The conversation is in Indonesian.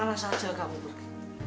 wina kemana saja kamu pergi